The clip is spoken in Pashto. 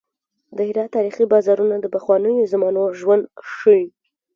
د هرات تاریخي بازارونه د پخوانیو زمانو ژوند ښيي.